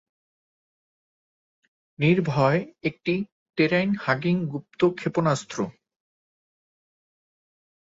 নির্ভয় একটি টেরাইন-হাগিং গুপ্ত ক্ষেপণাস্ত্র।